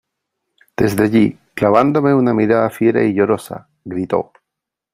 desde allí , clavándome una mirada fiera y llorosa , gritó :